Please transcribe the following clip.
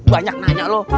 banyak nanya lo